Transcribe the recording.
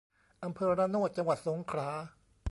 อำเภอระโนด จังหวัดสงขลา